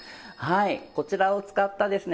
こちらを使ったですね